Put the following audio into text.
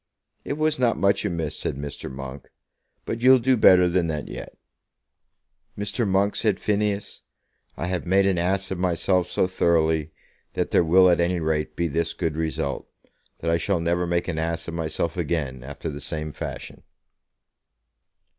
"It was not much amiss," said Mr. Monk; "but you'll do better than that yet." "Mr. Monk," said Phineas, "I have made an ass of myself so thoroughly, that there will at any rate be this good result, that I shall never make an ass of myself again after the same fashion."